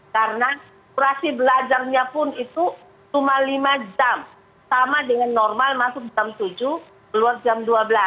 karena kurasi belajarnya pun itu cuma lima jam sama dengan normal masuk jam tujuh keluar jam dua belas